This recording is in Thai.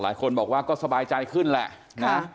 หลายคนบอกว่าก็สบายใจขึ้นแหละนะ